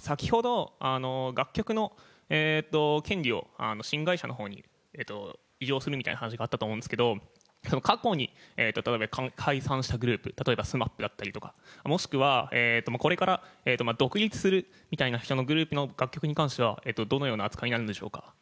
先ほど、楽曲の権利を新会社のほうに移譲するみたいな話があったと思うんですけど、過去に、例えば解散グループ、例えばＳＭＡＰだったりとか、もしくはこれから独立するみたいな人のグループの楽曲に関しては、どのような扱いになるんでしょうか。